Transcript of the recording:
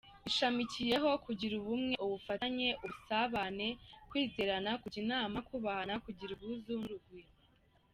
Ishamikiyeho kugira ubumwe, ubufatanye, ubusabane, kwizerana, kujya inama, kubahana, kugira ubwuzu n’urugwiro.